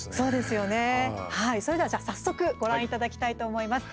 はい、それでは早速ご覧いただきたいと思います。